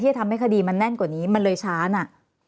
จะทำให้คดีมันแน่นกว่านี้มันเลยช้าน่ะ